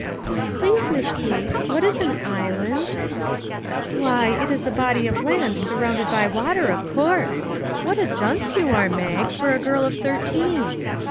" Please, Miss Kate, what is an island ?"" Why, it is a body of land surrounded by MAG AND MARGARET water, of course. What a dunce you are, Mag, for a girl of thirteen